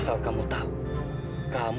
saya enggak punya uang pak